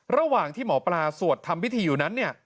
ระหว่างที่หมอปลาสวดทำพิธีอยู่นั้นเนี่ย